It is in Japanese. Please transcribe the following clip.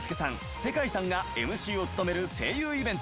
世界さんがＭＣを務める声優イベント